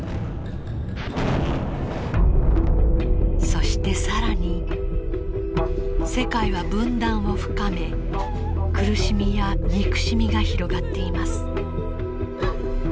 そして更に世界は分断を深め苦しみや憎しみが広がっています。